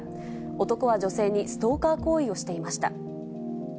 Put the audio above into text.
男は女性にストーカー行為をしていました。